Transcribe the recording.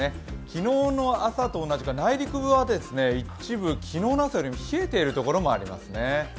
昨日の朝と同じか、内陸部は一部、昨日の朝よりも冷えているところもありますね。